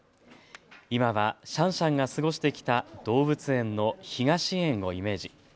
今はシャンシャンが過ごしてきた動物園の東園をイメージ。